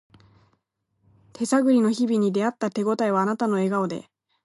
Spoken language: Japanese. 手探りの日々に出会った手ごたえはあなたの笑顔で